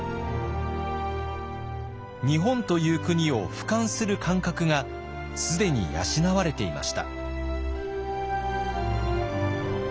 日本という国をふかんする感覚が既に養われていました。